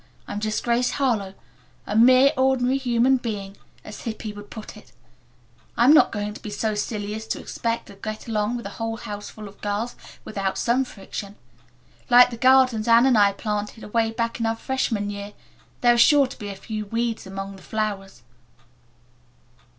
I'm just Grace Harlowe, a 'mere ordinary human being,' as Hippy would put it. I'm not going to be so silly as to expect to get along with a whole houseful of girls without some friction. Like the gardens Anne and I planted away back in our freshman year, there are sure to be a few weeds among the flowers."